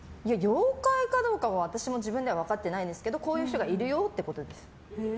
妖怪かどうかは私は自分では分かってないんですけどこういう人がいるよってことです。